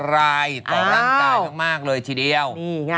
รายต่อร่างกายมากเลยทีเดียว